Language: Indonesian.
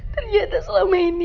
terjata selama ini